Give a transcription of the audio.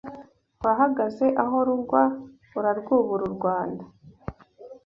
Wahagaze aho rugwa Urarwubura u Rwanda